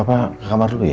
papa ke kamar dulu ya